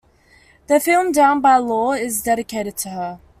The film "Down by Law" is dedicated to her.